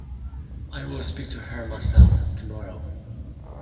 I will speak to her myself tomorrow.